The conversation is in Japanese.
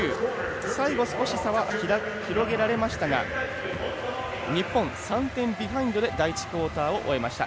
最後に少し差は広げられましたが日本、３点ビハインドで第１クオーターを終えました。